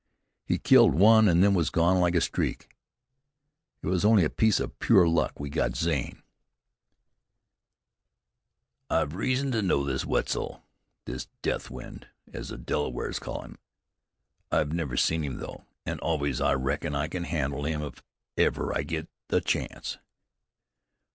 He killed one and then was gone like a streak. It was only a piece of pure luck we got Zane." "I've reason to know this Wetzel, this Deathwind, as the Delawares call him. I never seen him though, an' anyways, I reckon I can handle him if ever I get the chance."